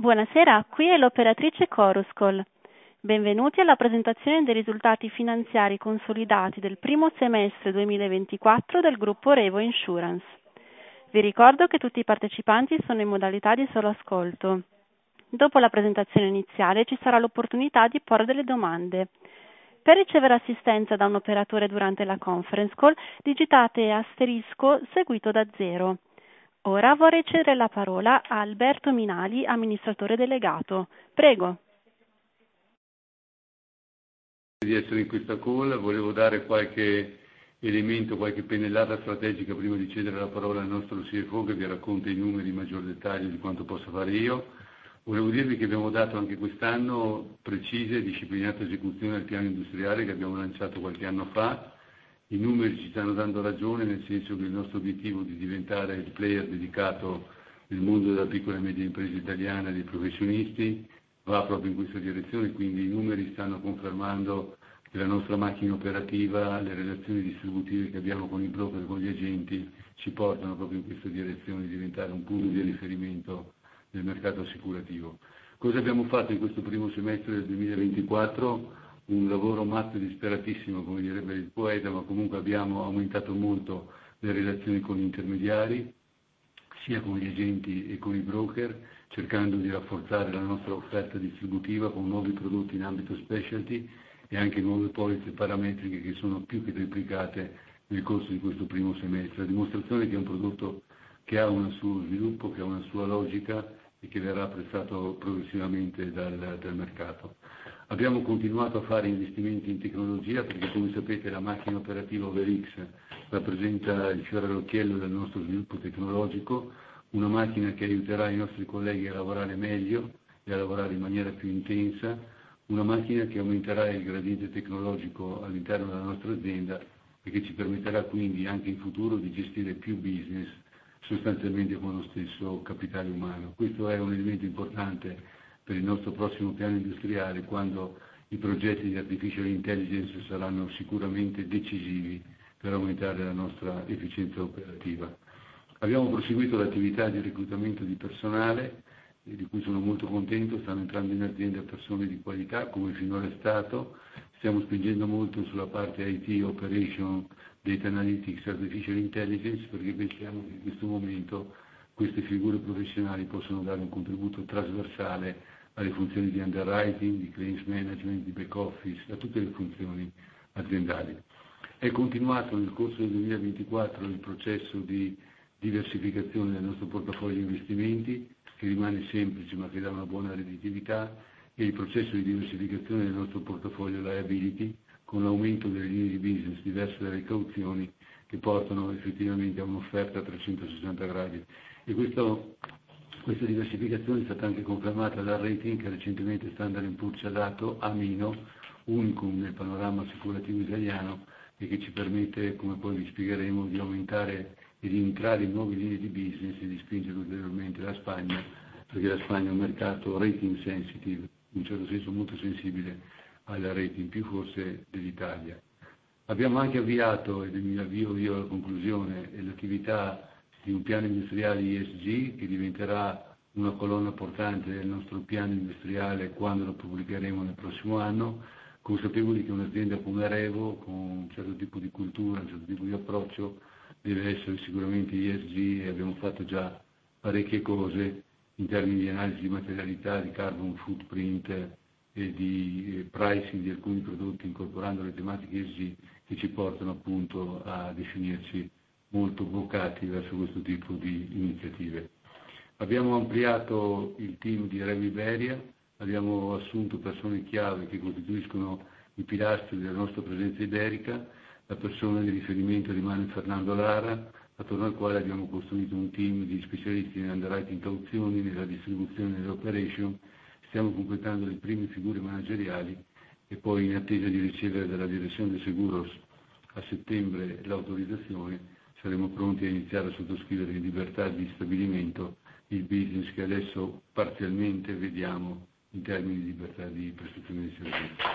Buonasera, qui è l'operatrice Chorus Call. Benvenuti alla presentazione dei risultati finanziari consolidati del primo semestre 2024 del gruppo Revo Insurance. Vi ricordo che tutti i partecipanti sono in modalità di solo ascolto. Dopo la presentazione iniziale, ci sarà l'opportunità di porre delle domande. Per ricevere assistenza da un operatore durante la conference call, digitate asterisco seguito da zero. Ora vorrei cedere la parola a Alberto Minali, Amministratore Delegato. Prego. Di essere in questa call. Volevo dare qualche elemento, qualche pennellata strategica, prima di cedere la parola al nostro CFO, che vi racconta i numeri in maggior dettaglio di quanto possa fare io. Volevo dirvi che abbiamo dato anche quest'anno precisa e disciplinata esecuzione al piano industriale che abbiamo lanciato qualche anno fa. I numeri ci stanno dando ragione, nel senso che il nostro obiettivo di diventare il player dedicato nel mondo della piccola e media impresa italiana e dei professionisti, va proprio in questa direzione. Quindi i numeri stanno confermando che la nostra macchina operativa, le relazioni distributive che abbiamo con i broker e con gli agenti, ci portano proprio in questa direzione di diventare un punto di riferimento nel mercato assicurativo. Cosa abbiamo fatto in questo primo semestre del 2024? Un lavoro matto e disperatissimo, come direbbe il poeta, ma comunque abbiamo aumentato molto le relazioni con gli intermediari, sia con gli agenti e con i broker, cercando di rafforzare la nostra offerta distributiva con nuovi prodotti in ambito specialty e anche nuove polizze parametriche che sono più che triplicate nel corso di questo primo semestre, a dimostrazione che è un prodotto che ha un suo sviluppo, che ha una sua logica e che verrà apprezzato progressivamente dal mercato. Abbiamo continuato a fare investimenti in tecnologia, perché, come sapete, la macchina operativa OverX rappresenta il fiore all'occhiello del nostro sviluppo tecnologico, una macchina che aiuterà i nostri colleghi a lavorare meglio e a lavorare in maniera più intensa, una macchina che aumenterà il gradiente tecnologico all'interno della nostra azienda e che ci permetterà quindi, anche in futuro, di gestire più business, sostanzialmente con lo stesso capitale umano. Questo è un elemento importante per il nostro prossimo piano industriale, quando i progetti di artificial intelligence saranno sicuramente decisivi per aumentare la nostra efficienza operativa. Abbiamo proseguito l'attività di reclutamento di personale, e di cui sono molto contento. Stanno entrando in azienda persone di qualità, come finora è stato. Stiamo spingendo molto sulla parte IT, operation, data analytics, artificial intelligence, perché pensiamo che in questo momento queste figure professionali possono dare un contributo trasversale alle funzioni di underwriting, di claims management, di back office, a tutte le funzioni aziendali. È continuato, nel corso del 2024, il processo di diversificazione del nostro portafoglio investimenti, che rimane semplice ma che dà una buona redditività, e il processo di diversificazione del nostro portafoglio liability, con l'aumento delle linee di business diverse dalle cauzioni, che portano effettivamente a un'offerta a 360 gradi. E questo, questa diversificazione è stata anche confermata dal rating, che recentemente Standard & Poor's ha dato A meno, unicum nel panorama assicurativo italiano e che ci permette, come poi vi spiegheremo, di aumentare ed entrare in nuove linee di business e di spingere ulteriormente la Spagna, perché la Spagna è un mercato rating sensitive, in un certo senso molto sensibile al rating, più forse dell'Italia. Abbiamo anche avviato, e mi avvio io alla conclusione, l'attività di un piano industriale ESG, che diventerà una colonna portante del nostro piano industriale quando lo pubblicheremo nel prossimo anno, consapevoli che un'azienda come Revo, con un certo tipo di cultura, un certo tipo di approccio, deve essere sicuramente ESG. E abbiamo fatto già parecchie cose in termini di analisi di materialità, di carbon footprint e di pricing di alcuni prodotti, incorporando le tematiche ESG, che ci portano appunto a definirci molto vocati verso questo tipo di iniziative. Abbiamo ampliato il team di Revi Iberia, abbiamo assunto persone chiave che costituiscono il pilastro della nostra presenza iberica. La persona di riferimento rimane Fernando Lara, attorno al quale abbiamo costruito un team di specialisti in underwriting cauzioni, nella distribuzione e nelle operation. Stiamo completando le prime figure manageriali e poi, in attesa di ricevere dalla Dirección de Seguros a settembre l'autorizzazione, saremo pronti a iniziare a sottoscrivere in libertà di stabilimento il business che adesso parzialmente vediamo in termini di libertà di prestazione di servizio.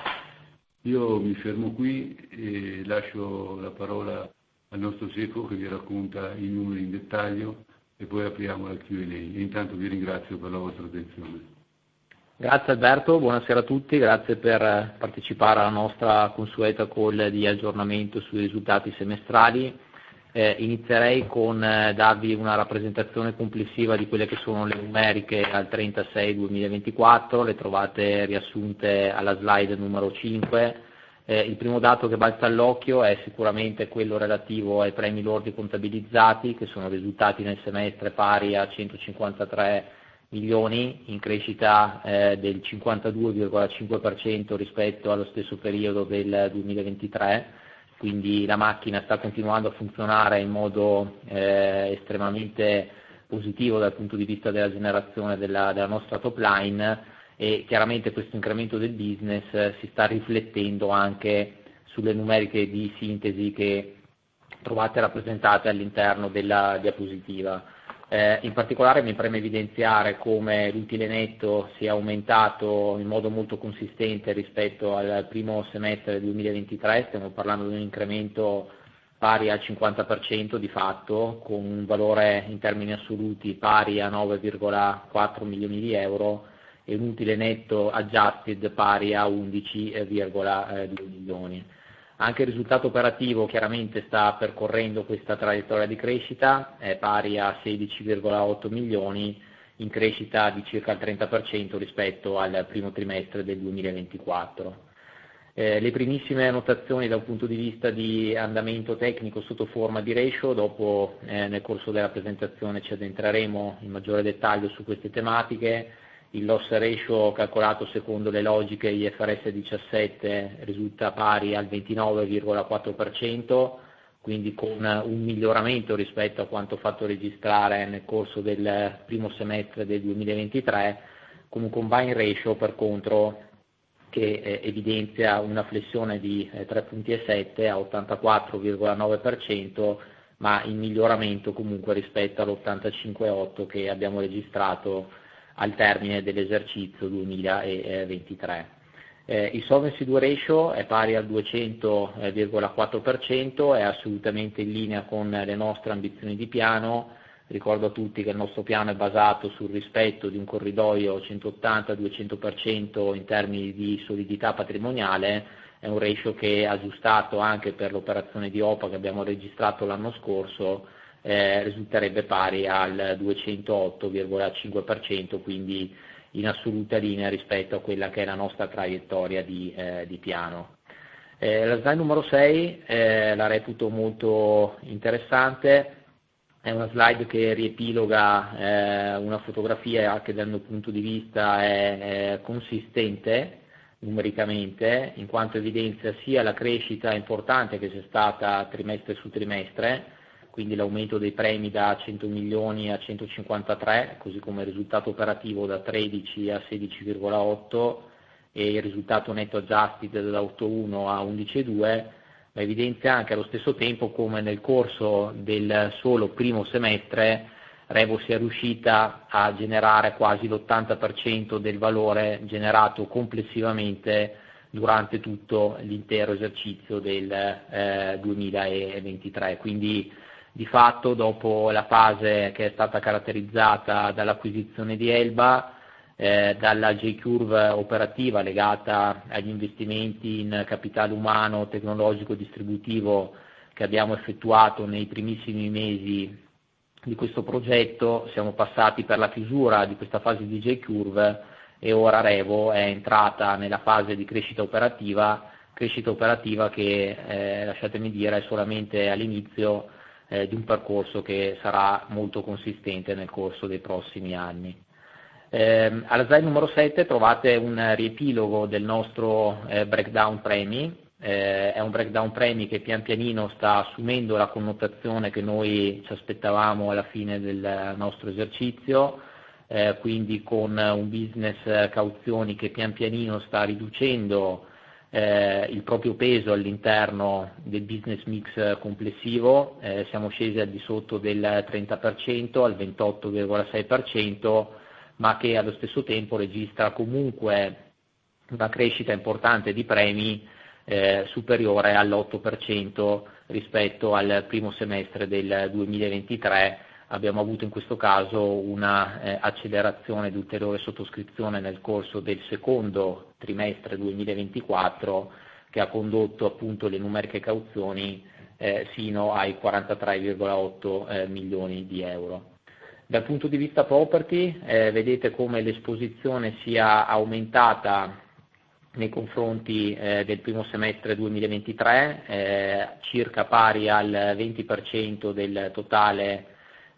Io mi fermo qui e lascio la parola al nostro CFO, che vi racconta i numeri in dettaglio e poi apriamo la Q&A. Intanto vi ringrazio per la vostra attenzione. Grazie Alberto, buonasera a tutti, grazie per partecipare alla nostra consueta call di aggiornamento sui risultati semestrali. Inizierei con darvi una rappresentazione complessiva di quelle che sono le numeriche al 30/6/2024, le trovate riassunte alla slide numero cinque. Il primo dato che balza all'occhio è sicuramente quello relativo ai premi lordi contabilizzati, che sono risultati nel semestre pari a €153 milioni, in crescita del 52,5% rispetto allo stesso periodo del 2023. Quindi la macchina sta continuando a funzionare in modo estremamente positivo dal punto di vista della generazione della nostra top line. Chiaramente questo incremento del business si sta riflettendo anche sulle numeriche di sintesi che trovate rappresentate all'interno della diapositiva. In particolare, mi preme evidenziare come l'utile netto sia aumentato in modo molto consistente rispetto al primo semestre 2023. Stiamo parlando di un incremento pari al 50% di fatto, con un valore in termini assoluti pari a €9,4 milioni e un utile netto adjusted pari a €11,2 milioni. Anche il risultato operativo chiaramente sta percorrendo questa traiettoria di crescita, è pari a €16,8 milioni, in crescita di circa il 30% rispetto al primo trimestre del 2024. Le primissime annotazioni da un punto di vista di andamento tecnico sotto forma di ratio, dopo, nel corso della presentazione ci addentreremo in maggiore dettaglio su queste tematiche: il loss ratio, calcolato secondo le logiche IFRS 17, risulta pari al 29,4%, quindi con un miglioramento rispetto a quanto fatto registrare nel corso del primo semestre del 2023, con un combined ratio, per contro, che evidenzia una flessione di tre punti e sette a 84,9%, ma in miglioramento comunque rispetto all'85,8% che abbiamo registrato al termine dell'esercizio 2023. Il solvency ratio è pari al 200,4%, è assolutamente in linea con le nostre ambizioni di piano. Ricordo a tutti che il nostro piano è basato sul rispetto di un corridoio 180%-200% in termini di solidità patrimoniale. È un ratio che, aggiustato anche per l'operazione di OPA che abbiamo registrato l'anno scorso, risulterebbe pari al 208,5%, quindi in assoluta linea rispetto a quella che è la nostra traiettoria di piano. La slide numero sei la reputo molto interessante. È una slide che riepiloga una fotografia che dal mio punto di vista è consistente numericamente, in quanto evidenzia sia la crescita importante che c'è stata trimestre su trimestre, quindi l'aumento dei premi da €100 milioni a €153 milioni, così come il risultato operativo da €13 milioni a €16,8 milioni e il risultato netto adjusted da €8,1 milioni a €11,2 milioni, ma evidenzia anche allo stesso tempo come nel corso del solo primo semestre, Revo sia riuscita a generare quasi l'80% del valore generato complessivamente durante tutto l'intero esercizio del 2023. Quindi, di fatto, dopo la fase che è stata caratterizzata dall'acquisizione di Elba, dalla J-curve operativa legata agli investimenti in capitale umano, tecnologico, distributivo, che abbiamo effettuato nei primissimi mesi di questo progetto, siamo passati per la chiusura di questa fase di J-curve e ora Revo è entrata nella fase di crescita operativa, crescita operativa che, lasciatemi dire, è solamente all'inizio di un percorso che sarà molto consistente nel corso dei prossimi anni. Alla slide numero sette trovate un riepilogo del nostro breakdown premi. È un breakdown premi che pian pianino sta assumendo la connotazione che noi ci aspettavamo alla fine del nostro esercizio, quindi con un business cauzioni che pian pianino sta riducendo il proprio peso all'interno del business mix complessivo. Siamo scesi al di sotto del 30%, al 28,6%, ma che allo stesso tempo registra comunque una crescita importante di premi superiore all'8% rispetto al primo semestre del 2023. Abbiamo avuto in questo caso un'accelerazione di ulteriore sottoscrizione nel corso del secondo trimestre 2024, che ha condotto appunto le numeriche cauzioni sino ai €43,8 milioni. Dal punto di vista property, vedete come l'esposizione sia aumentata nei confronti del primo semestre 2023, circa pari al 20% del totale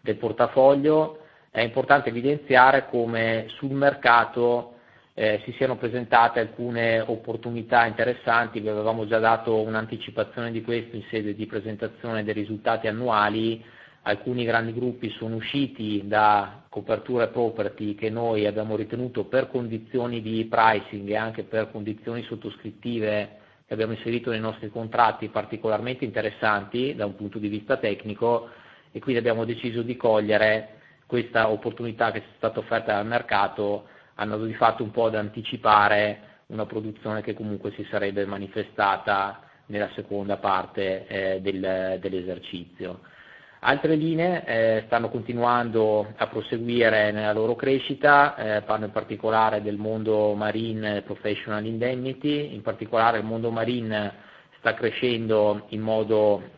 del portafoglio. È importante evidenziare come sul mercato si siano presentate alcune opportunità interessanti. Vi avevamo già dato un'anticipazione di questo in sede di presentazione dei risultati annuali. Alcuni grandi gruppi sono usciti da coperture property che noi abbiamo ritenuto, per condizioni di pricing e anche per condizioni sottoscrittive che abbiamo inserito nei nostri contratti, particolarmente interessanti da un punto di vista tecnico e quindi abbiamo deciso di cogliere questa opportunità che ci è stata offerta dal mercato, andando di fatto un po' ad anticipare una produzione che comunque si sarebbe manifestata nella seconda parte dell'esercizio. Altre linee stanno continuando a proseguire nella loro crescita, parlo in particolare del mondo Marine Professional Indemnity, in particolare il mondo Marine sta crescendo in modo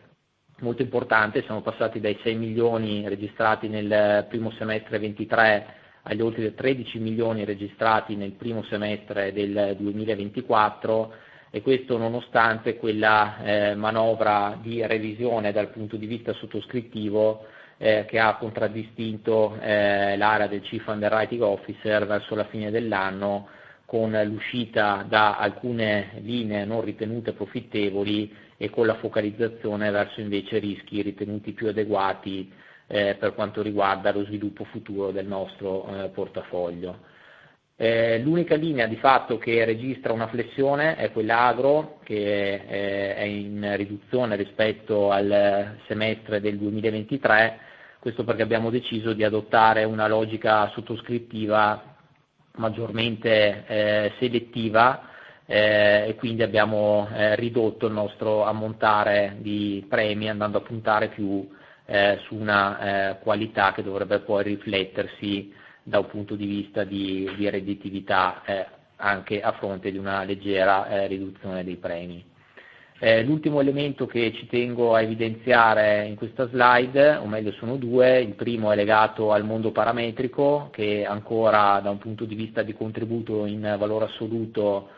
molto importante: siamo passati dai €6 milioni registrati nel primo semestre 2023, agli oltre €13 milioni registrati nel primo semestre del 2024, e questo nonostante quella manovra di revisione dal punto di vista sottoscrittivo che ha contraddistinto l'area del Chief Underwriting Officer verso la fine dell'anno, con l'uscita da alcune linee non ritenute profittevoli e con la focalizzazione verso invece rischi ritenuti più adeguati per quanto riguarda lo sviluppo futuro del nostro portafoglio. L'unica linea di fatto che registra una flessione è quella agro, che è in riduzione rispetto al semestre del 2023. Questo perché abbiamo deciso di adottare una logica sottoscrittiva maggiormente selettiva, e quindi abbiamo ridotto il nostro ammontare di premi, andando a puntare più su una qualità che dovrebbe poi riflettersi da un punto di vista di redditività, anche a fronte di una leggera riduzione dei premi. L'ultimo elemento che ci tengo a evidenziare in questa slide, o meglio, sono due: il primo è legato al mondo parametrico, che ancora da un punto di vista di contributo in valore assoluto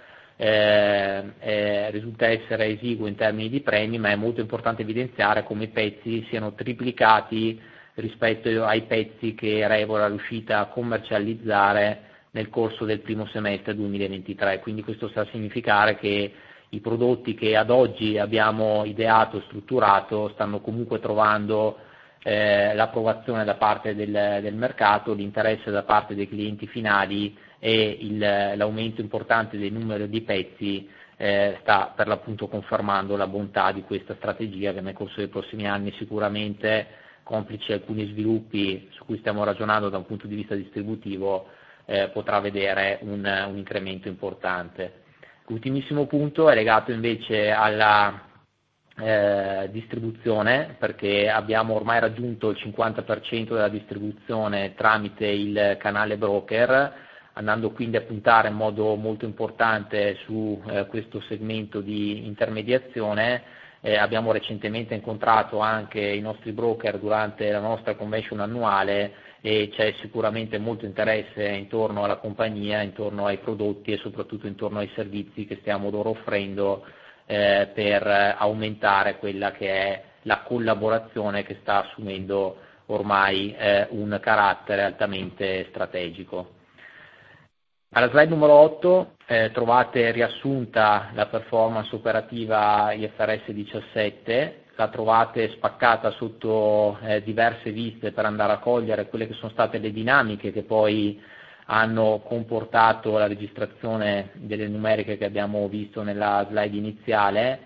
risulta essere esiguo in termini di premi, ma è molto importante evidenziare come i pezzi siano triplicati rispetto ai pezzi che Revo è riuscita a commercializzare nel corso del primo semestre 2023. Quindi questo sta a significare che i prodotti che ad oggi abbiamo ideato e strutturato stanno comunque trovando l'approvazione da parte del mercato, l'interesse da parte dei clienti finali e l'aumento importante del numero di pezzi sta per l'appunto confermando la bontà di questa strategia, che nel corso dei prossimi anni, sicuramente complici alcuni sviluppi su cui stiamo ragionando da un punto di vista distributivo, potrà vedere un incremento importante. Ultimissimo punto è legato invece alla distribuzione, perché abbiamo ormai raggiunto il 50% della distribuzione tramite il canale broker, andando quindi a puntare in modo molto importante su questo segmento di intermediazione. Abbiamo recentemente incontrato anche i nostri broker durante la nostra convention annuale e c'è sicuramente molto interesse intorno alla compagnia, intorno ai prodotti e soprattutto intorno ai servizi che stiamo loro offrendo per aumentare quella che è la collaborazione, che sta assumendo ormai un carattere altamente strategico. Alla slide numero otto trovate riassunta la performance operativa IFRS 17. La trovate spaccata sotto diverse viste per andare a cogliere quelle che sono state le dinamiche che poi hanno comportato la registrazione delle numeriche che abbiamo visto nella slide iniziale.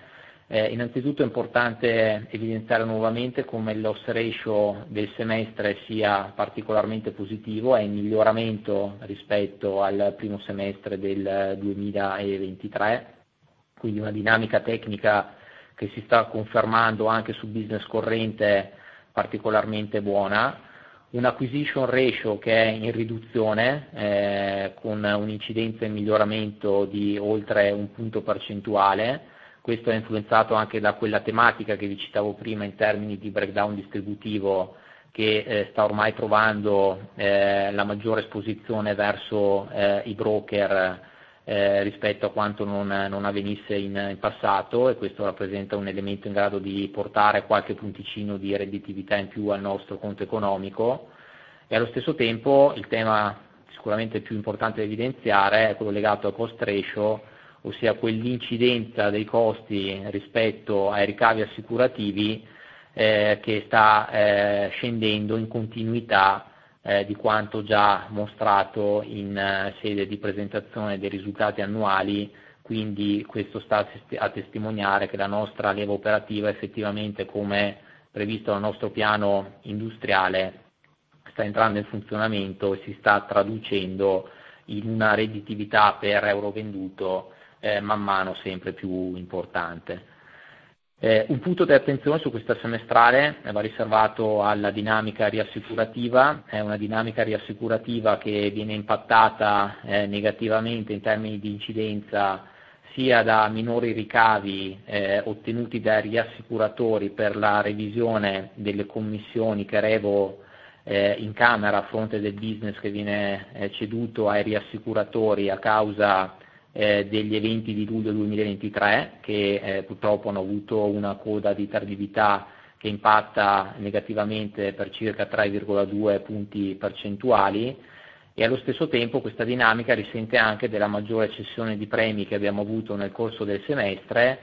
Innanzitutto è importante evidenziare nuovamente come loss ratio del semestre sia particolarmente positivo, è in miglioramento rispetto al primo semestre del 2023, quindi una dinamica tecnica che si sta confermando anche su business corrente, particolarmente buona. Un acquisition ratio che è in riduzione, con un'incidenza in miglioramento di oltre un punto percentuale. Questo è influenzato anche da quella tematica che vi citavo prima in termini di breakdown distributivo, che sta ormai trovando la maggiore esposizione verso i broker, rispetto a quanto non avvenisse in passato, e questo rappresenta un elemento in grado di portare qualche punticino di redditività in più al nostro conto economico. E allo stesso tempo, il tema sicuramente più importante da evidenziare è quello legato al cost ratio, ossia quell'incidenza dei costi rispetto ai ricavi assicurativi, che sta scendendo in continuità, di quanto già mostrato in sede di presentazione dei risultati annuali. Quindi questo sta a testimoniare che la nostra leva operativa, effettivamente, come previsto dal nostro piano industriale, sta entrando in funzionamento e si sta traducendo in una redditività per euro venduto, man mano sempre più importante. Un punto di attenzione su questa semestrale va riservato alla dinamica riassicurativa. È una dinamica riassicurativa che viene impattata negativamente in termini di incidenza, sia da minori ricavi ottenuti dai riassicuratori per la revisione delle commissioni che Revo incamera a fronte del business che viene ceduto ai riassicuratori a causa degli eventi di luglio 2023, che purtroppo hanno avuto una coda di tardività che impatta negativamente per circa 3,2 punti percentuali, e allo stesso tempo questa dinamica risente anche della maggiore cessione di premi che abbiamo avuto nel corso del semestre.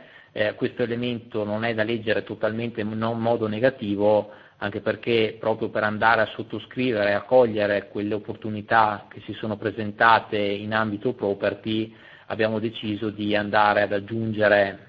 Questo elemento non è da leggere totalmente in modo negativo, anche perché, proprio per andare a sottoscrivere e a cogliere quelle opportunità che si sono presentate in ambito property, abbiamo deciso di andare ad aggiungere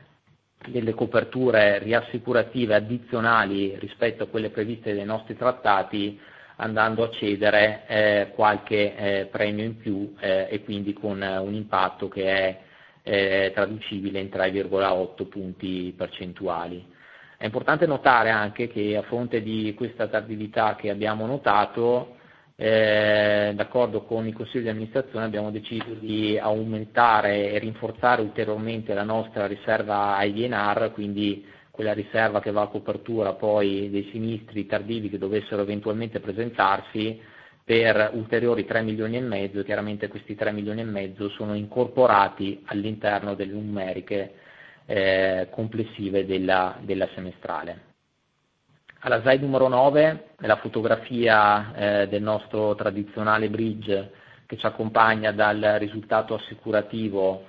delle coperture riassicurative addizionali rispetto a quelle previste dai nostri trattati, andando a cedere qualche premio in più, e quindi con un impatto che è traducibile in 3,8 punti percentuali. È importante notare anche che, a fronte di questa tardività che abbiamo notato, d'accordo con il Consiglio di Amministrazione, abbiamo deciso di aumentare e rinforzare ulteriormente la nostra riserva IBNR, quindi quella riserva che va a copertura poi dei sinistri tardivi che dovessero eventualmente presentarsi, per ulteriori €3,5 milioni. Chiaramente questi €3,5 milioni sono incorporati all'interno delle numeriche complessive della semestrale. Alla slide numero nove, nella fotografia del nostro tradizionale bridge, che ci accompagna dal risultato assicurativo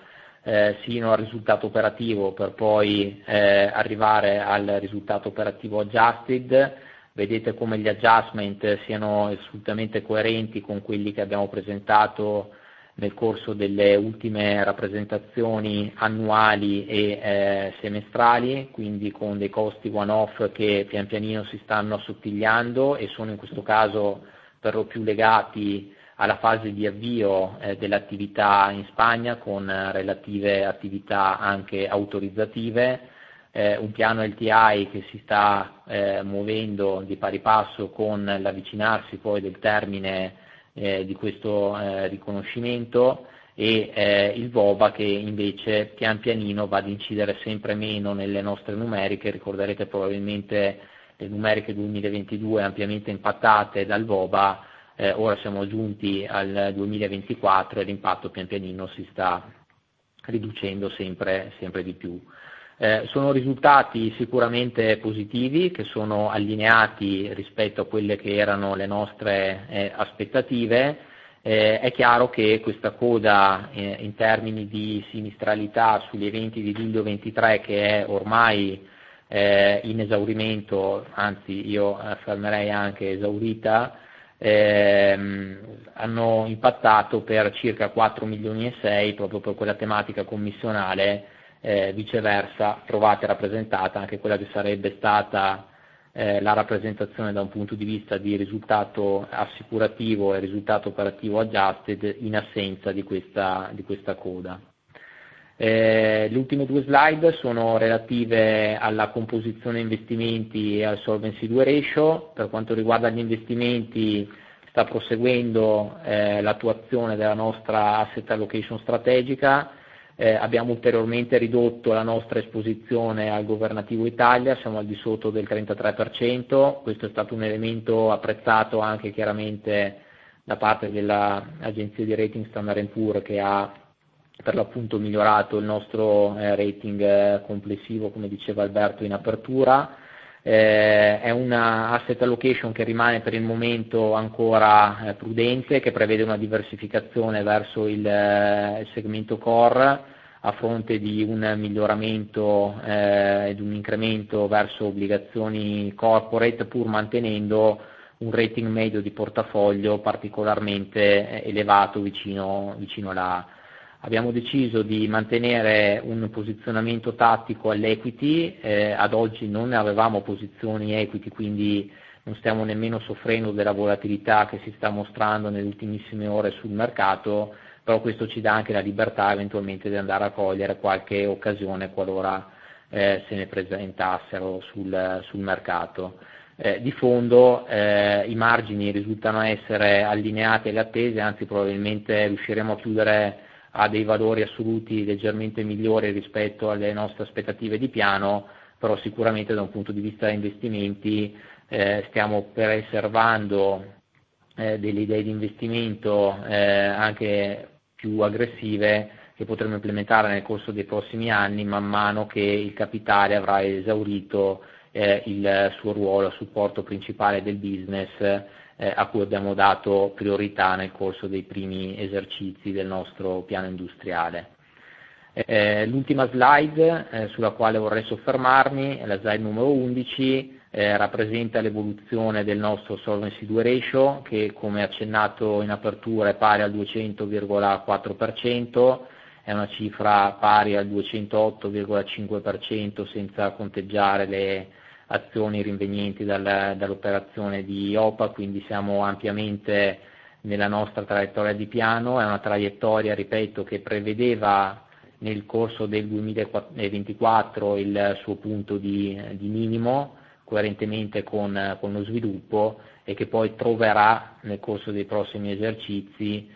sino al risultato operativo, per poi arrivare al risultato operativo adjusted. Vedete come gli adjustment siano assolutamente coerenti con quelli che abbiamo presentato nel corso delle ultime rappresentazioni annuali e semestrali, quindi con dei costi one off che pian pianino si stanno assottigliando e sono in questo caso per lo più legati alla fase di avvio dell'attività in Spagna, con relative attività anche autorizzative. Un piano LTI che si sta muovendo di pari passo con l'avvicinarsi poi del termine di questo riconoscimento e il VOBA, che invece pian pianino va ad incidere sempre meno nelle nostre numeriche. Ricorderete probabilmente le numeriche 2022 ampiamente impattate dal VOBA, ora siamo giunti al 2024 e l'impatto pian pianino si sta riducendo sempre, sempre di più. Sono risultati sicuramente positivi, che sono allineati rispetto a quelle che erano le nostre aspettative. È chiaro che questa coda, in termini di sinistralità sugli eventi di luglio 2023, che è ormai in esaurimento, anzi io affermerei anche esaurita, hanno impattato per circa €4,6 milioni, proprio per quella tematica commissionale. Viceversa, trovate rappresentata anche quella che sarebbe stata la rappresentazione da un punto di vista di risultato assicurativo e risultato operativo adjusted, in assenza di questa coda. Le ultime due slide sono relative alla composizione investimenti e al solvency ratio. Per quanto riguarda gli investimenti, sta proseguendo l'attuazione della nostra asset allocation strategica. Abbiamo ulteriormente ridotto la nostra esposizione al governativo Italia, siamo al di sotto del 33%. Questo è stato un elemento apprezzato anche chiaramente da parte dell'agenzia di rating Standard & Poor's, che ha per l'appunto migliorato il nostro rating complessivo, come diceva Alberto in apertura. È una asset allocation che rimane per il momento ancora prudente, che prevede una diversificazione verso il segmento core, a fronte di un miglioramento ed un incremento verso obbligazioni corporate, pur mantenendo un rating medio di portafoglio particolarmente elevato, vicino la. Abbiamo deciso di mantenere un posizionamento tattico all'equity. Ad oggi non avevamo posizioni equity, quindi non stiamo nemmeno soffrendo della volatilità che si sta mostrando nelle ultimissime ore sul mercato, però questo ci dà anche la libertà eventualmente di andare a cogliere qualche occasione qualora se ne presentassero sul mercato. Di fondo, i margini risultano essere allineati alle attese, anzi probabilmente riusciremo a chiudere a dei valori assoluti leggermente migliori rispetto alle nostre aspettative di piano, però sicuramente da un punto di vista investimenti, stiamo preservando delle idee di investimento anche più aggressive, che potremmo implementare nel corso dei prossimi anni, man mano che il capitale avrà esaurito il suo ruolo a supporto principale del business, a cui abbiamo dato priorità nel corso dei primi esercizi del nostro piano industriale. L'ultima slide, sulla quale vorrei soffermarmi, è la slide numero undici, rappresenta l'evoluzione del nostro solvency ratio, che, come accennato in apertura, è pari al 200,4%. È una cifra pari al 208,5% senza conteggiare le azioni rinvenienti dall'operazione di Iopa, quindi siamo ampiamente nella nostra traiettoria di piano. È una traiettoria, ripeto, che prevedeva nel corso del 2024 il suo punto di minimo, coerentemente con lo sviluppo, e che poi troverà, nel corso dei prossimi esercizi,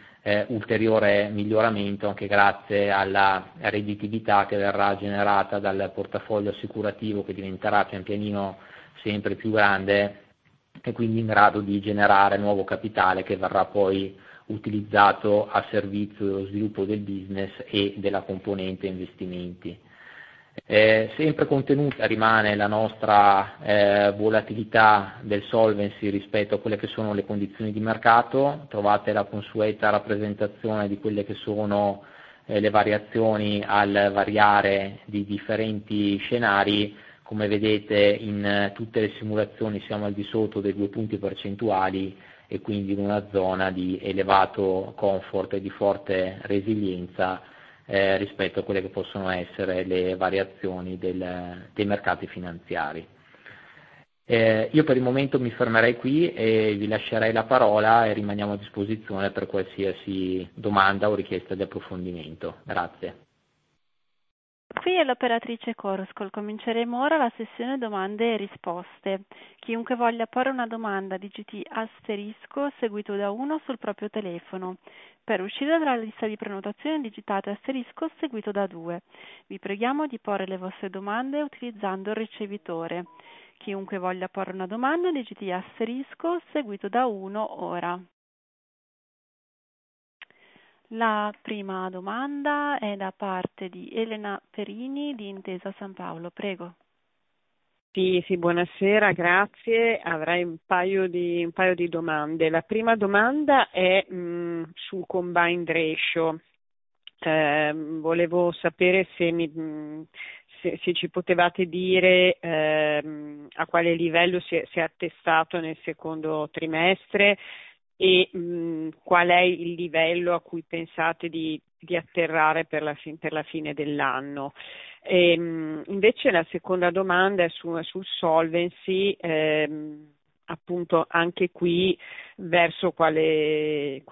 ulteriore miglioramento, anche grazie alla redditività che verrà generata dal portafoglio assicurativo, che diventerà pian pianino sempre più grande e quindi in grado di generare nuovo capitale, che verrà poi utilizzato a servizio dello sviluppo del business e della componente investimenti. Sempre contenuta rimane la nostra volatilità del solvency rispetto a quelle che sono le condizioni di mercato. Trovate la consueta rappresentazione di quelle che sono le variazioni al variare di differenti scenari. Come vedete, in tutte le simulazioni siamo al di sotto dei due punti percentuali e quindi in una zona di elevato comfort e di forte resilienza rispetto a quelle che possono essere le variazioni dei mercati finanziari. Eh, io per il momento mi fermerei qui e vi lascerei la parola e rimaniamo a disposizione per qualsiasi domanda o richiesta di approfondimento. Grazie. Qui è l'operatrice Call. Cominceremo ora la sessione domande e risposte. Chiunque voglia porre una domanda, digiti asterisco seguito da uno sul proprio telefono. Per uscire dalla lista di prenotazione digitate asterisco seguito da due. Vi preghiamo di porre le vostre domande utilizzando il ricevitore. Chiunque voglia porre una domanda, digiti asterisco seguito da uno ora. La prima domanda è da parte di Elena Perini di Intesa Sanpaolo. Prego. Sì, sì, buonasera, grazie. Avrei un paio di domande. La prima domanda è sul Combined Ratio. Volevo sapere se ci potevate dire a quale livello si è attestato nel secondo trimestre e qual è il livello a cui pensate di atterrare per la fine dell'anno. Invece la seconda domanda è sul solvency, anche qui verso quale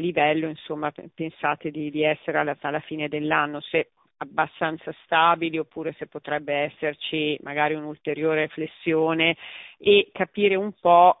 livello pensate di essere alla fine dell'anno? Se è abbastanza stabile oppure se potrebbe esserci magari un'ulteriore flessione e capire un po'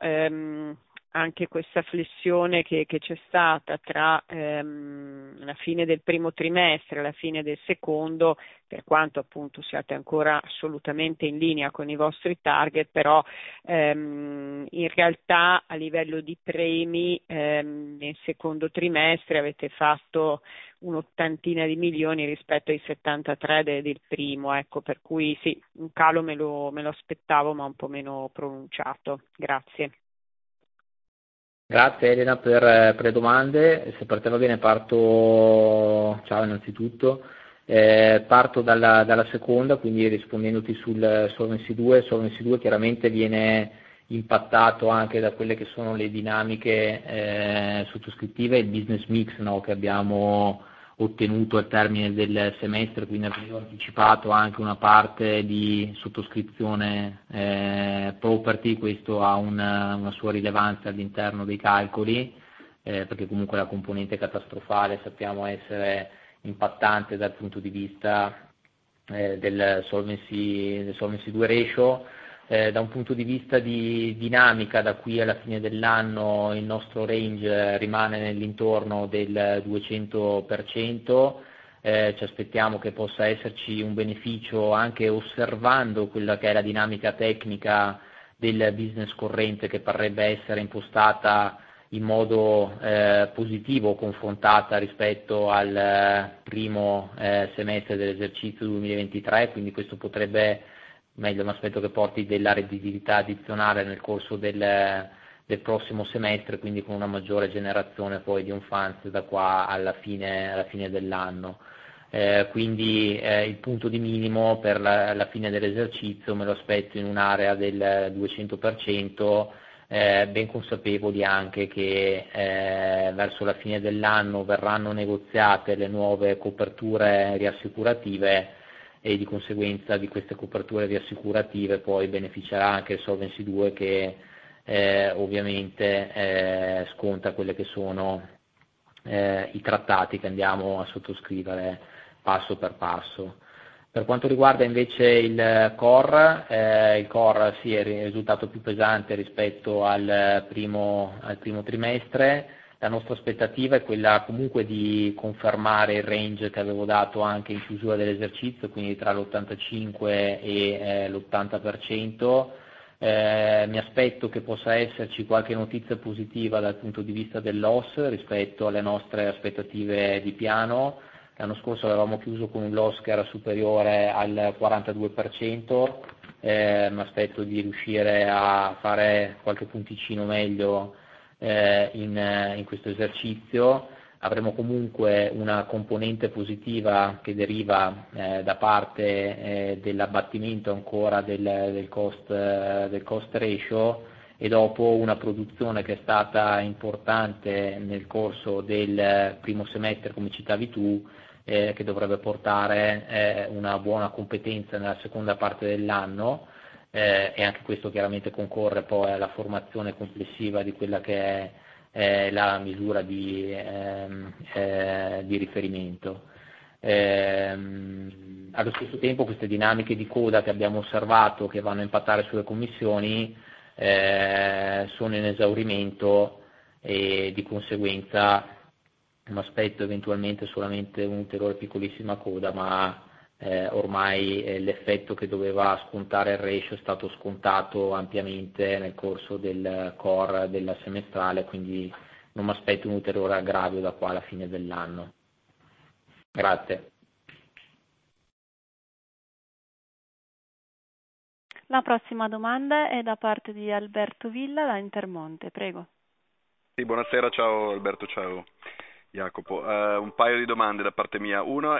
anche questa flessione che c'è stata tra la fine del primo trimestre e la fine del secondo, per quanto, appunto, siate ancora assolutamente in linea con i vostri target, però in realtà a livello di premi nel secondo trimestre avete fatto un'ottantina di milioni rispetto ai settantatré del primo. Ecco, per cui sì, un calo me lo aspettavo, ma un po' meno pronunciato. Grazie. Grazie Elena per le domande. Se per te va bene parto... ciao, innanzitutto. Parto dalla seconda, quindi rispondendoti sul Solvency II. Solvency II chiaramente viene impattato anche da quelle che sono le dinamiche sottoscrittive e il business mix, no? Che abbiamo ottenuto al termine del semestre, quindi abbiamo anticipato anche una parte di sottoscrizione property. Questo ha una sua rilevanza all'interno dei calcoli, perché comunque la componente catastrofale sappiamo essere impattante dal punto di vista del solvency, del Solvency II Ratio. Da un punto di vista di dinamica, da qui alla fine dell'anno il nostro range rimane nell'intorno del 200%. Ci aspettiamo che possa esserci un beneficio anche osservando quella che è la dinamica tecnica del business corrente, che parrebbe essere impostata in modo positivo, confrontata rispetto al primo semestre dell'esercizio 2023, quindi questo potrebbe portare della redditività addizionale nel corso del prossimo semestre, quindi con una maggiore generazione poi di funds da qua alla fine dell'anno. Quindi il punto di minimo per la fine dell'esercizio me lo aspetto in un'area del 200%, ben consapevoli anche che verso la fine dell'anno verranno negoziate le nuove coperture riassicurative e di conseguenza di queste coperture riassicurative poi beneficerà anche il Solvency II, che ovviamente sconta quelle che sono i trattati che andiamo a sottoscrivere passo per passo. Per quanto riguarda invece il core, il core sì, è risultato più pesante rispetto al primo trimestre. La nostra aspettativa è quella comunque di confermare il range che avevo dato anche in chiusura dell'esercizio, quindi tra l'85% e l'80%. Mi aspetto che possa esserci qualche notizia positiva dal punto di vista del loss, rispetto alle nostre aspettative di piano. L'anno scorso avevamo chiuso con un loss che era superiore al 42%, mi aspetto di riuscire a fare qualche punticino meglio in questo esercizio. Avremo comunque una componente positiva che deriva da parte dell'abbattimento ancora del cost ratio e dopo una produzione che è stata importante nel corso del primo semestre, come citavi tu, che dovrebbe portare una buona competenza nella seconda parte dell'anno, e anche questo chiaramente concorre poi alla formazione complessiva di quella che è la misura di riferimento. Allo stesso tempo, queste dinamiche di coda che abbiamo osservato, che vanno a impattare sulle commissioni, sono in esaurimento e di conseguenza mi aspetto eventualmente solamente un'ulteriore piccolissima coda, ma ormai l'effetto che doveva scontare il ratio è stato scontato ampiamente nel corso del core della semestrale, quindi non mi aspetto un ulteriore aggravio da qua alla fine dell'anno. Grazie. La prossima domanda è da parte di Alberto Villa, da Intermonte. Prego. Sì, buonasera, ciao Alberto, ciao Jacopo. Un paio di domande da parte mia: uno,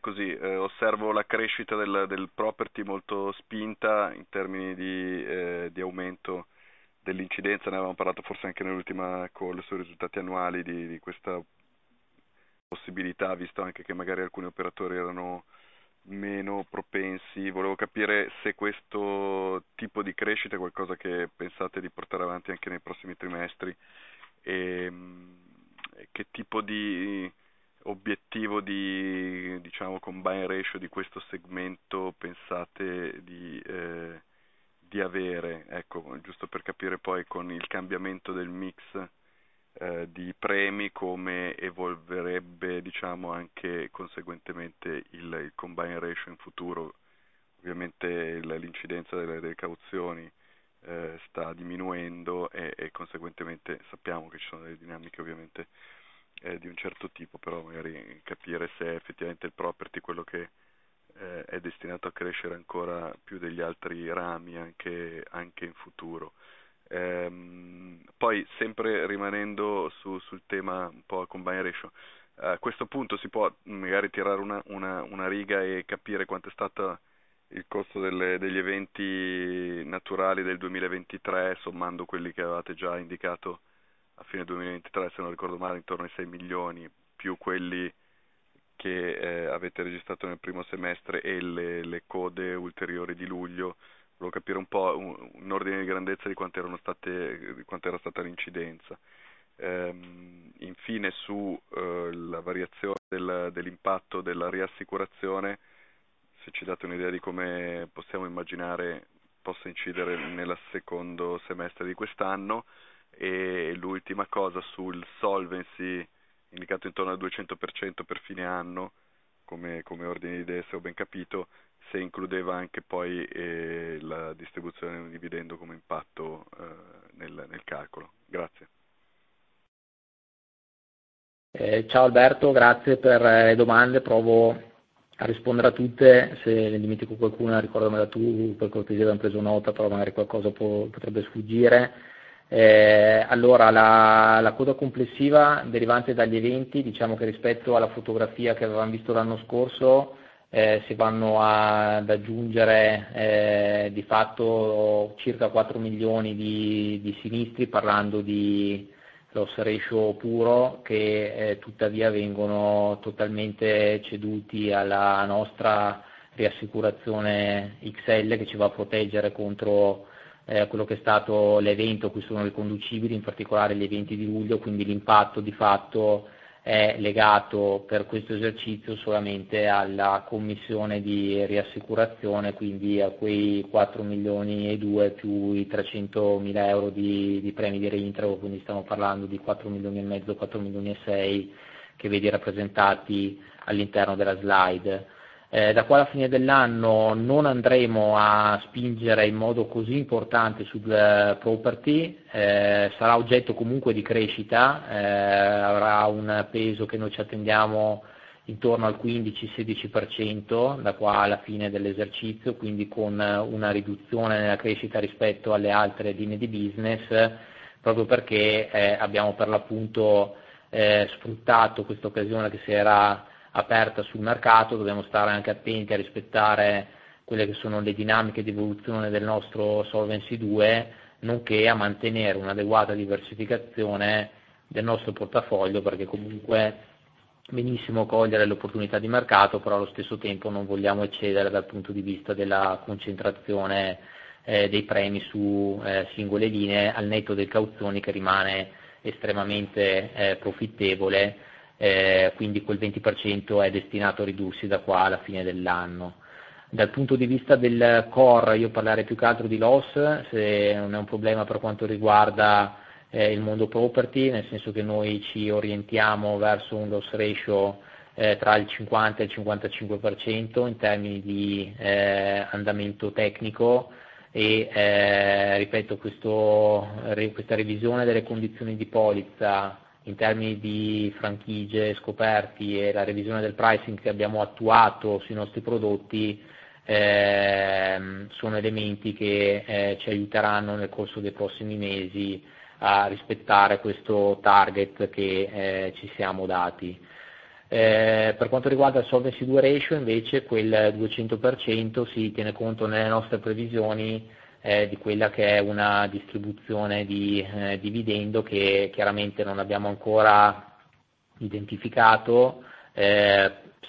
così, osservo la crescita del property molto spinta in termini di aumento dell'incidenza. Ne avevamo parlato forse anche nell'ultima call sui risultati annuali, di questa possibilità, visto anche che magari alcuni operatori erano meno propensi. Volevo capire se questo tipo di crescita è qualcosa che pensate di portare avanti anche nei prossimi trimestri, e che tipo di obiettivo di Combined Ratio di questo segmento pensate di avere? Giusto per capire poi con il cambiamento del mix di premi, come evolverebbe anche conseguentemente il Combined Ratio in futuro. Ovviamente l'incidenza delle cauzioni sta diminuendo e conseguentemente sappiamo che ci sono delle dinamiche ovviamente di un certo tipo, però magari capire se effettivamente il property è quello che è destinato a crescere ancora più degli altri rami, anche in futuro. Poi, sempre rimanendo sul tema un po' combined ratio, a questo punto si può magari tirare una riga e capire quanto è stato il costo degli eventi naturali del 2023, sommando quelli che avevate già indicato a fine 2023, se non ricordo male, intorno ai €6 milioni, più quelli che avete registrato nel primo semestre e le code ulteriori di luglio. Volevo capire un po' un ordine di grandezza di quanto era stata l'incidenza. Infine, sulla variazione dell'impatto della riassicurazione, se ci date un'idea di come possiamo immaginare possa incidere nel secondo semestre di quest'anno. E l'ultima cosa sul solvency, indicato intorno al 200% per fine anno, come ordine di idee, se ho ben capito, se includeva anche la distribuzione del dividendo come impatto nel calcolo. Grazie. Ciao Alberto, grazie per le domande, provo a rispondere a tutte. Se ne dimentico qualcuna, ricordamela tu, per cortesia. Abbiamo preso nota, però magari qualcosa potrebbe sfuggire. Allora, la coda complessiva derivante dagli eventi, diciamo che rispetto alla fotografia che avevamo visto l'anno scorso, si vanno ad aggiungere di fatto circa quattro milioni di sinistri, parlando di loss ratio puro, che tuttavia vengono totalmente ceduti alla nostra riassicurazione XL, che ci va a proteggere contro quello che è stato l'evento a cui sono riconducibili, in particolare gli eventi di luglio, quindi l'impatto di fatto è legato per questo esercizio solamente alla commissione di riassicurazione, quindi a quei quattro milioni e due, più i €300.000 di premi di reintro, quindi stiamo parlando di quattro milioni e mezzo, quattro milioni e sei, che vedi rappresentati all'interno della slide. Da qui alla fine dell'anno non andremo a spingere in modo così importante sul property, sarà oggetto comunque di crescita, avrà un peso che noi ci attendiamo intorno al 15, 16% da qui alla fine dell'esercizio, quindi con una riduzione nella crescita rispetto alle altre linee di business, proprio perché abbiamo per l'appunto sfruttato questa occasione che si era aperta sul mercato. Dobbiamo stare anche attenti a rispettare quelle che sono le dinamiche di evoluzione del nostro Solvency II, nonché a mantenere un'adeguata diversificazione del nostro portafoglio, perché comunque è benissimo cogliere le opportunità di mercato, però allo stesso tempo non vogliamo eccedere dal punto di vista della concentrazione dei premi su singole linee, al netto del cauzione, che rimane estremamente profittevole, quindi quel 20% è destinato a ridursi da qui alla fine dell'anno. Dal punto di vista del core, io parlerei più che altro di loss, se non è un problema per quanto riguarda il mondo property, nel senso che noi ci orientiamo verso un loss ratio tra il 50% e il 55% in termini di andamento tecnico. E ripeto, questa revisione delle condizioni di polizza in termini di franchigie, scoperti e la revisione del pricing che abbiamo attuato sui nostri prodotti sono elementi che ci aiuteranno nel corso dei prossimi mesi a rispettare questo target che ci siamo dati. Per quanto riguarda il solvency ratio, invece, quel 200% si tiene conto nelle nostre previsioni di quella che è una distribuzione di dividendo, che chiaramente non abbiamo ancora identificato,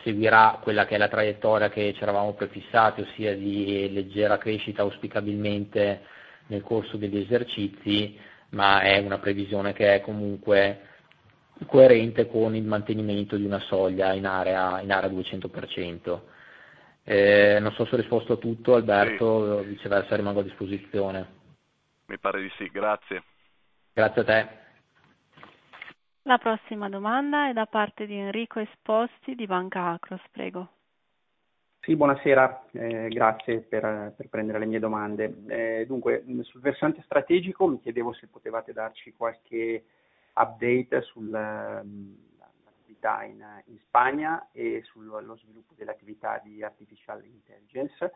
seguirà quella che è la traiettoria che ci eravamo prefissati, ossia di leggera crescita, auspicabilmente nel corso degli esercizi, ma è una previsione che è comunque coerente con il mantenimento di una soglia in area 200%. Non so se ho risposto a tutto, Alberto. Sì. Viceversa, rimango a disposizione. Mi pare di sì, grazie. Grazie a te. La prossima domanda è da parte di Enrico Esposti, di Banca Akros. Prego. Sì, buonasera, grazie per prendere le mie domande. Dunque, sul versante strategico mi chiedevo se potevate darci qualche update sull'attività in Spagna e sullo sviluppo dell'attività di artificial intelligence.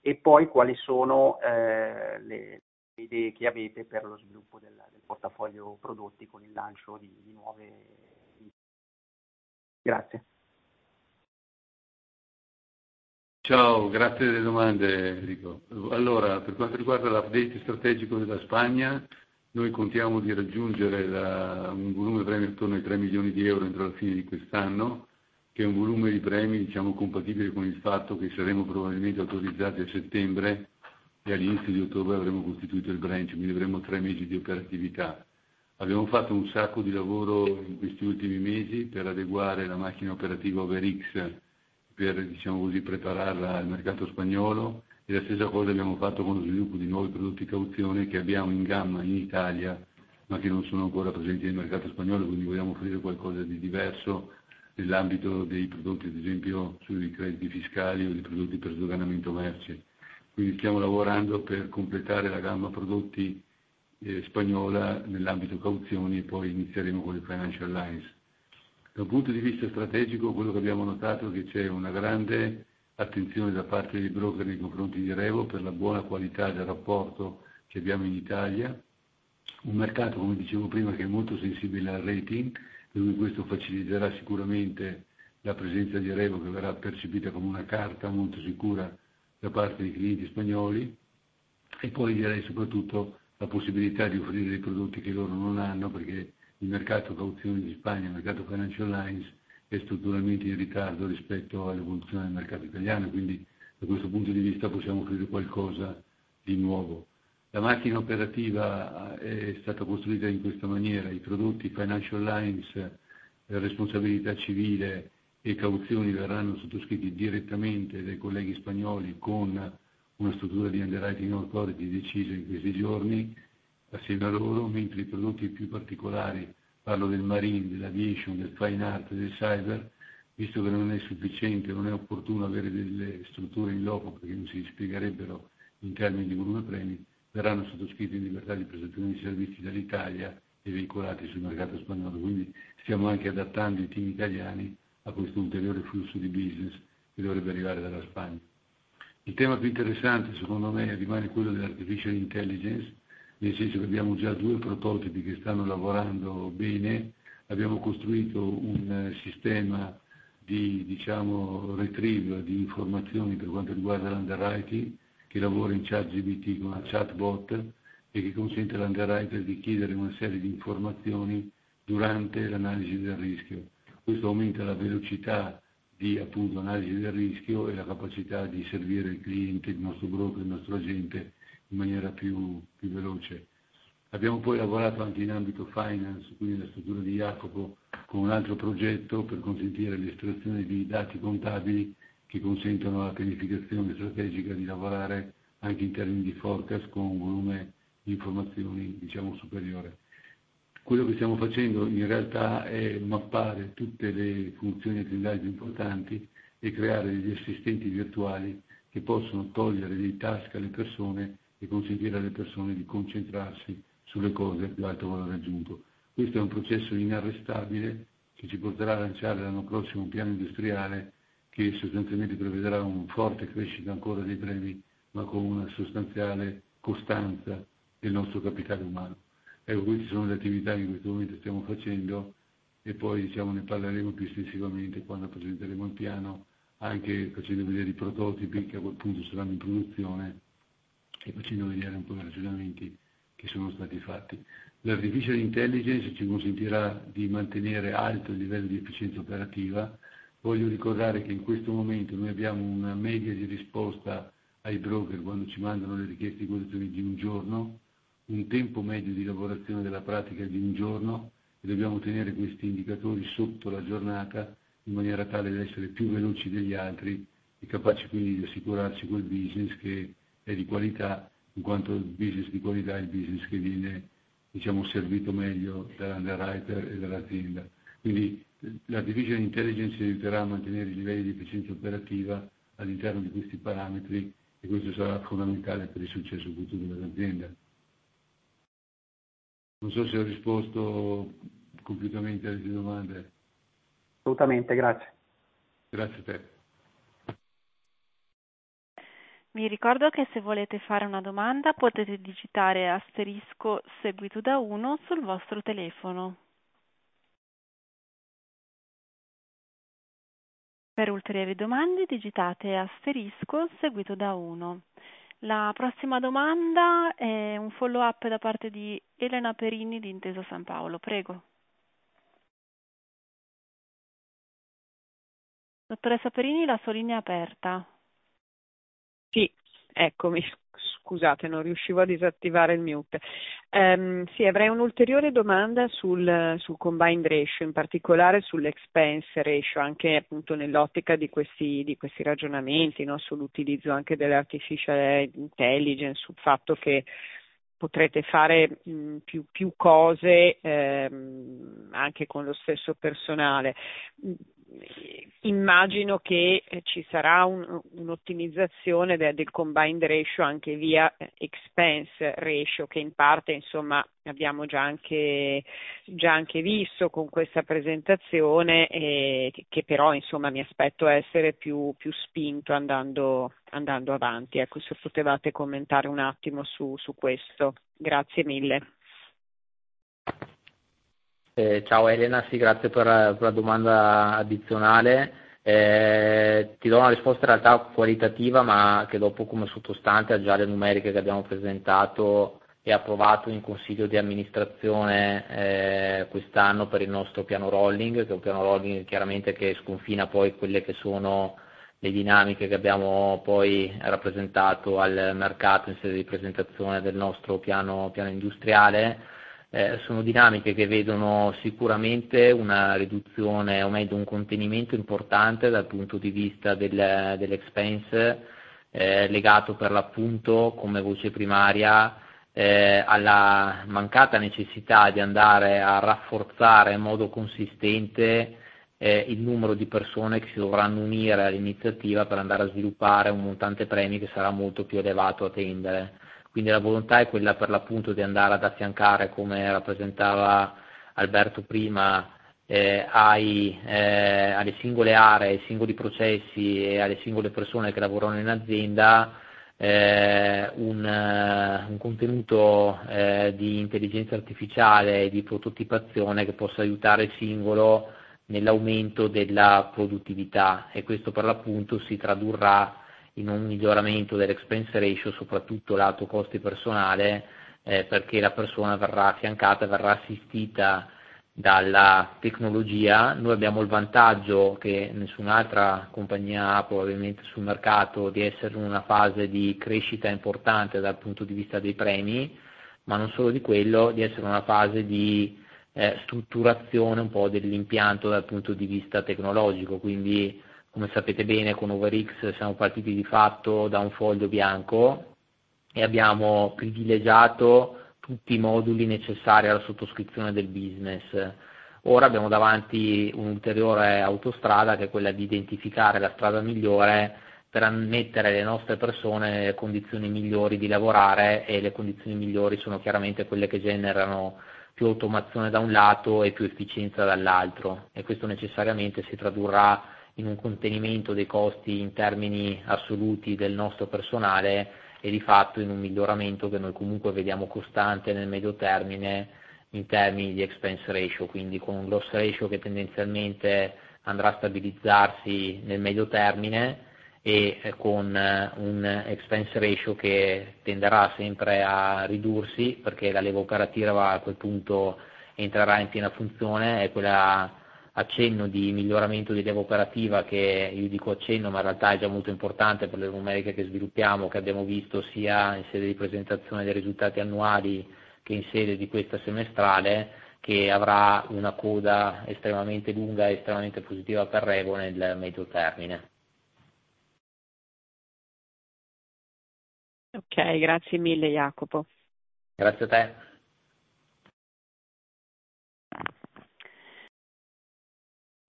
E poi quali sono le idee che avete per lo sviluppo del portafoglio prodotti con il lancio di nuove... grazie. Ciao, grazie delle domande, Enrico. Allora, per quanto riguarda l'update strategico della Spagna, noi contiamo di raggiungere un volume di premi intorno ai €3 milioni entro la fine di quest'anno, che è un volume di premi diciamo compatibile con il fatto che saremo probabilmente autorizzati a settembre e all'inizio di ottobre avremo costituito il branch, quindi avremo tre mesi di operatività. Abbiamo fatto un sacco di lavoro in questi ultimi mesi per adeguare la macchina operativa Verix, per prepararla al mercato spagnolo, e la stessa cosa abbiamo fatto con lo sviluppo di nuovi prodotti cauzione che abbiamo in gamma in Italia ma che non sono ancora presenti nel mercato spagnolo, quindi vogliamo offrire qualcosa di diverso nell'ambito dei prodotti, ad esempio, sui crediti fiscali o dei prodotti per sdoganamento merci. Quindi stiamo lavorando per completare la gamma prodotti spagnola nell'ambito cauzioni e poi inizieremo con i financial lines. Da un punto di vista strategico, quello che abbiamo notato è che c'è una grande attenzione da parte dei broker nei confronti di Revo, per la buona qualità del rapporto che abbiamo in Italia. Un mercato, come dicevo prima, che è molto sensibile al rating, e quindi questo faciliterà sicuramente la presenza di Revo, che verrà percepita come una carta molto sicura da parte dei clienti spagnoli. E poi direi soprattutto la possibilità di offrire dei prodotti che loro non hanno, perché il mercato cauzioni in Spagna, il mercato financial lines, è strutturalmente in ritardo rispetto all'evoluzione del mercato italiano, quindi da questo punto di vista possiamo offrire qualcosa di nuovo. La macchina operativa è stata costruita in questa maniera: i prodotti financial lines, la responsabilità civile e cauzioni verranno sottoscritti direttamente dai colleghi spagnoli con una struttura di underwriting authority decisa in questi giorni assieme a loro, mentre i prodotti più particolari, parlo del marine, dell'aviation, del fine art e del cyber, visto che non è sufficiente, non è opportuno avere delle strutture in loco, perché non si spiegherebbero in termini di volume premi, verranno sottoscritti in libertà di prestazione di servizi dall'Italia e veicolati sul mercato spagnolo. Quindi stiamo anche adattando i team italiani a questo ulteriore flusso di business che dovrebbe arrivare dalla Spagna. Il tema più interessante, secondo me, rimane quello dell'artificial intelligence, nel senso che abbiamo già due prototipi che stanno lavorando bene. Abbiamo costruito un sistema di retrieval di informazioni per quanto riguarda l'underwriting, che lavora in ChatGPT con la chatbot e che consente all'underwriter di chiedere una serie di informazioni durante l'analisi del rischio. Questo aumenta la velocità di analisi del rischio e la capacità di servire il cliente, il nostro broker, il nostro agente, in maniera più veloce. Abbiamo poi lavorato anche in ambito finance, quindi la struttura di Iacopo, con un altro progetto per consentire l'estrazione di dati contabili che consentono alla pianificazione strategica di lavorare anche in termini di forecast, con un volume di informazioni superiore. Quello che stiamo facendo, in realtà, è mappare tutte le funzioni a valore più importanti e creare degli assistenti virtuali che possono togliere dei task alle persone e consentire alle persone di concentrarsi sulle cose ad alto valore aggiunto. Questo è un processo inarrestabile, che ci porterà a lanciare l'anno prossimo un piano industriale che sostanzialmente prevedrà una forte crescita ancora dei premi, ma con una sostanziale costanza del nostro capitale umano. Queste sono le attività che in questo momento stiamo facendo e poi ne parleremo più estensivamente quando presenteremo il piano, anche facendo vedere i prototipi, che a quel punto saranno in produzione, e facendo vedere un po' i ragionamenti che sono stati fatti. L'artificial intelligence ci consentirà di mantenere alto il livello di efficienza operativa. Voglio ricordare che in questo momento noi abbiamo una media di risposta ai broker, quando ci mandano le richieste di quotazioni, di un giorno, un tempo medio di lavorazione della pratica di un giorno, e dobbiamo tenere questi indicatori sotto la giornata in maniera tale da essere più veloci degli altri e capaci quindi di assicurarci quel business che è di qualità, in quanto il business di qualità è il business che viene, diciamo, servito meglio dall'underwriter e dall'azienda. Quindi l'artificial intelligence aiuterà a mantenere i livelli di efficienza operativa all'interno di questi parametri e questo sarà fondamentale per il successo futuro dell'azienda. Non so se ho risposto completamente alle tue domande. Assolutamente, grazie. Grazie a te. Vi ricordo che se volete fare una domanda potete digitare asterisco seguito da uno sul vostro telefono. Per ulteriori domande digitate asterisco seguito da uno. La prossima domanda è un follow-up da parte di Elena Perini di Intesa Sanpaolo. Prego. Dottoressa Perini, la sua linea è aperta. Sì, eccomi. Scusate, non riuscivo a disattivare il mute. Sì, avrei un'ulteriore domanda sul Combined Ratio, in particolare sull'Expense Ratio, anche nell'ottica di questi ragionamenti, no? Sull'utilizzo anche dell'artificial intelligence, sul fatto che potrete fare più cose anche con lo stesso personale. Immagino che ci sarà un'ottimizzazione del Combined Ratio anche via Expense Ratio, che in parte abbiamo già anche visto con questa presentazione, e che però mi aspetto essere più spinto andando avanti. Ecco, se potevate commentare un attimo su questo. Grazie mille. Ciao Elena, sì, grazie per la domanda addizionale. Ti do una risposta in realtà qualitativa, ma che dopo come sottostante ha già le numeriche che abbiamo presentato e approvato in consiglio di amministrazione quest'anno per il nostro piano rolling, che è un piano rolling chiaramente che sconfina poi quelle che sono le dinamiche che abbiamo poi rappresentato al mercato in sede di presentazione del nostro piano industriale. Sono dinamiche che vedono sicuramente una riduzione o meglio, un contenimento importante dal punto di vista dell'expense legato per l'appunto, come voce primaria, alla mancata necessità di andare a rafforzare in modo consistente il numero di persone che si dovranno unire all'iniziativa per andare a sviluppare un montante premi che sarà molto più elevato a tendere. Quindi la volontà è quella, per l'appunto, di andare ad affiancare, come rappresentava Alberto prima, alle singole aree, ai singoli processi e alle singole persone che lavorano in azienda, un contenuto di intelligenza artificiale e di prototipazione che possa aiutare il singolo nell'aumento della produttività. E questo, per l'appunto, si tradurrà in un miglioramento dell'expense ratio, soprattutto lato costi personale, perché la persona verrà affiancata, verrà assistita dalla tecnologia. Noi abbiamo il vantaggio, che nessun'altra compagnia ha probabilmente sul mercato, di essere in una fase di crescita importante dal punto di vista dei premi, ma non solo di quello, di essere in una fase di strutturazione un po' dell'impianto dal punto di vista tecnologico. Quindi, come sapete bene, con OverX siamo partiti di fatto da un foglio bianco e abbiamo privilegiato tutti i moduli necessari alla sottoscrizione del business. Ora abbiamo davanti un'ulteriore autostrada, che è quella di identificare la strada migliore per mettere le nostre persone in condizioni migliori di lavorare, e le condizioni migliori sono chiaramente quelle che generano più automazione da un lato e più efficienza dall'altro. E questo necessariamente si tradurrà in un contenimento dei costi in termini assoluti del nostro personale e di fatto in un miglioramento che noi comunque vediamo costante nel medio termine in termini di expense ratio, quindi con un loss ratio che tendenzialmente andrà a stabilizzarsi nel medio termine e con un expense ratio che tenderà sempre a ridursi, perché la leva operativa a quel punto entrerà in piena funzione. È quello accenno di miglioramento di leva operativa, che io dico accenno, ma in realtà è già molto importante per le numeriche che sviluppiamo, che abbiamo visto sia in sede di presentazione dei risultati annuali che in sede di questa semestrale, che avrà una coda estremamente lunga e estremamente positiva per REVO nel medio termine. Ok, grazie mille Jacopo. Grazie a te.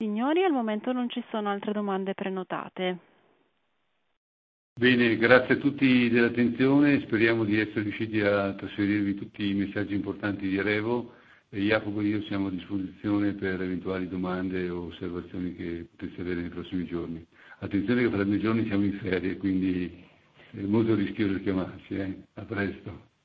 Signori, al momento non ci sono altre domande prenotate. Bene, grazie a tutti dell'attenzione. Speriamo di essere riusciti a trasferirvi tutti i messaggi importanti di REVO. E Jacopo e io siamo a disposizione per eventuali domande o osservazioni che poteste avere nei prossimi giorni. Attenzione, che tra due giorni siamo in ferie, quindi è molto rischioso chiamarci, eh. A presto!